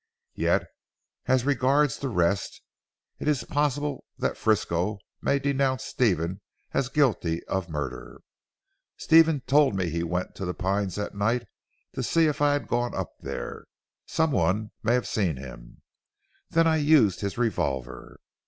"Yet as regards the rest. It is possible that Frisco may denounce Stephen as guilty of murder. Stephen told me he went to 'The Pines,' that night to see if I had gone up there. Some one may have seen him. Then I used his revolver.